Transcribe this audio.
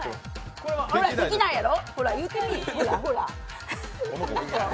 ほら、できないやろ？